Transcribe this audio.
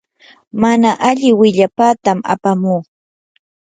mana alli willapatam apamuu.